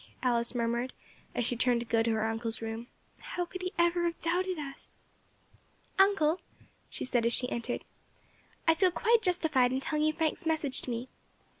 Alice murmured, as she turned to go to her uncle's room, "how could he have ever doubted us?" "Uncle," she said, as she entered, "I feel quite justified in telling you Frank's message to me.